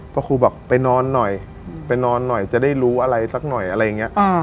พระครูบอกไปนอนหน่อยไปนอนหน่อยจะได้รู้อะไรสักหน่อยอะไรอย่างนี้